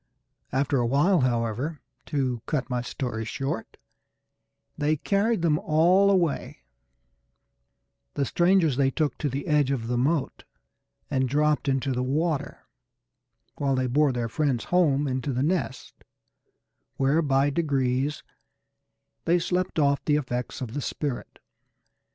After a while, however, to cut my story short, they carried them all away: the strangers they took to edge of the moat and dropped into the water, while they bore their friends home into the nest, where by degrees they slept off the effects of the spirit.